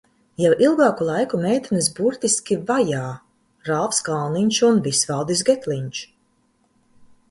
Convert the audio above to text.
Jau ilgāku laiku meitenes burtiski vajā Ralfs Kalniņš un Visvaldis Getliņš.